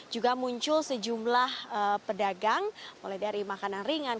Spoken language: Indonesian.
juga muncul sejumlah pedagang mulai dari makanan ringan